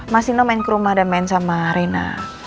mas nino main ke rumah dan main sama reina